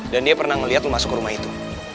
dan dia pernah melihat lo masuk ke rumah itu